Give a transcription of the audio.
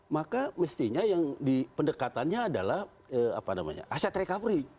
maka mestinya yang di pendekatannya adalah aset recovery